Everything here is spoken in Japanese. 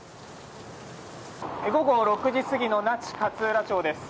午後６時過ぎの那智勝浦町です。